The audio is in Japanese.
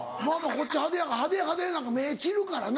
こっち派手やから派手・派手なんか目散るからな。